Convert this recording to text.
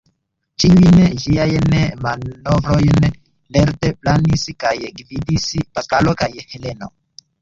Ĉiujn ĝiajn manovrojn lerte planis kaj gvidis Paskalo kaj Heleno.